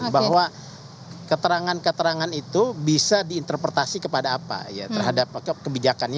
bahwa keterangan keterangan itu bisa diinterpretasi kepada apa terhadap kebijakan ini